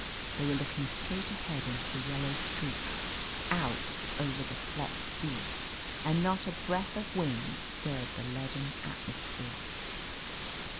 They were looking straight ahead into the yellow streaks, out over the flecked sea. And not a breath of wind stirred the leaden atmosphere.